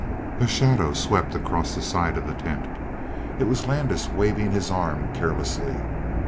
A shadow swept across the side of the tent; it was Landis waving his arm carelessly.